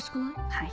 はい。